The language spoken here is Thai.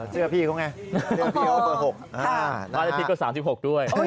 จาก